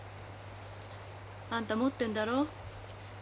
あんた持ってんだろ？